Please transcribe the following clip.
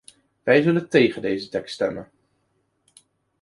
Wij zullen tegen deze tekst stemmen.